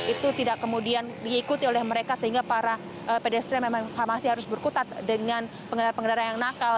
itu tidak kemudian diikuti oleh mereka sehingga para pedestrian memang masih harus berkutat dengan pengendara pengendara yang nakal